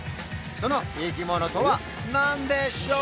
その生き物とは何でしょう？